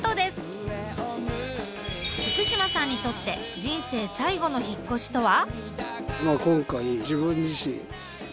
福島さんにとって人生最後の引っ越しとは？